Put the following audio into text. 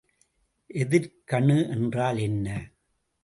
எதிர்க்கணு என்றால் என்ன?